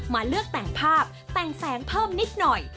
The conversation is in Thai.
มาเลือกแต่งภาพแต่งแสงเพิ่มนิดหน่อย